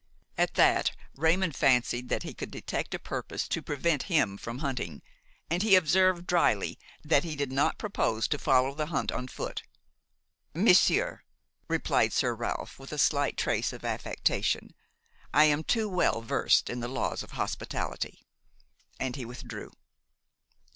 At that Raymon fancied that he could detect a purpose to prevent him from hunting, and he observed dryly that he did not propose to follow the hunt on foot. "Monsieur," replied Sir Ralph, with a slight trace of affectation, "I am too well versed in the laws of hospitality." And he withdrew.